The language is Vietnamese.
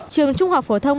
trường trung học vổ thông